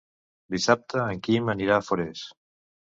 Dissabte en Quim anirà a Forès.